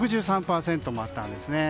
６３％もあったんですね。